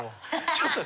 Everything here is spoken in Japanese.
ちょっと。